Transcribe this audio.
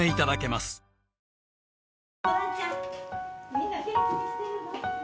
みんな元気にしてるの？